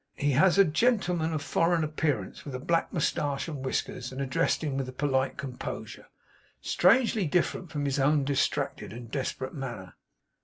He has a gentleman of foreign appearance, with a black moustache and whiskers; and addressed him with a polite composure, strangely different from his own distracted and desperate manner.